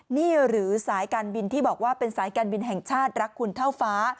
นี่หรือสายการบินที่บอกว่าเป็นสายการบินแห่งชาติรักคุณเท่าฟ้า